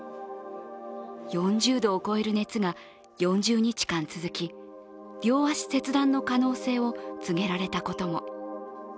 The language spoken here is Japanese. ４０度を超える熱が４０日間続き両足切断の可能性を告げられたことも。